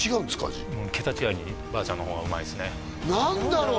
味桁違いにばあちゃんの方がうまいっすね何だろう？